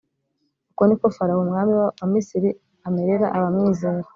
Uko ni ko Farawo, umwami wa Misiri, amerera abamwizera.